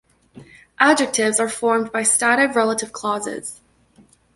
Adjectives are formed by stative relative clauses.